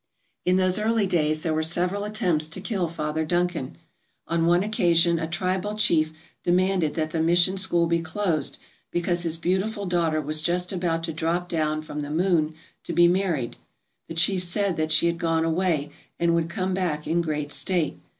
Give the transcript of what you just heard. In those early days there were several attempts to kill Father Duncan. On one occasion a tribal chief de manded that the mission school be closed because his beautiful daughter was just about to drop down from the moon to be married. The chief said that she had gone away and would come back in great state.